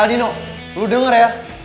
eh dino lo denger ya